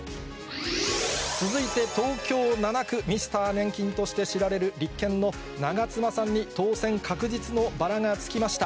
続いて東京７区、ミスター年金として知られる立憲の長妻さんに当選確実のバラがつきました。